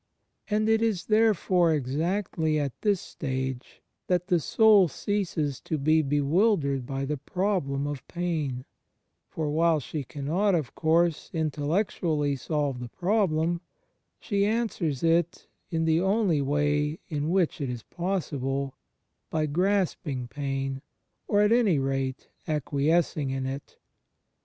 And it is, therefore, exactly at this stage, that the soul ceases to be bewildered by the Problem of Pain; for, while she cannot, of course, intellectually solve the problem, she answers it, in the only way in which it is possible, by grasping Pain, or at any rate acquiescing in it.